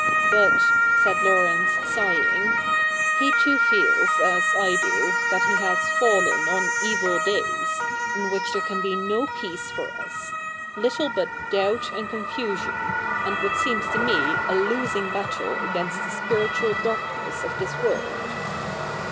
But,' said Laurence, sighing, ' he too feels, as I do, that he has fallen on evil days, in which there can be no peace for us — little but doubt and confusion, and what seems to me a losing battle against the spiritual darkness of this world.